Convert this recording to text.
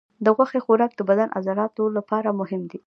د غوښې خوراک د بدن د عضلاتو لپاره مهم دی.